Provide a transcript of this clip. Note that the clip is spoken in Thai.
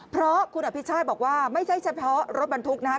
เพราะคุณอภิชาติบอกว่าไม่ใช่เฉพาะรถบรรทุกนะครับ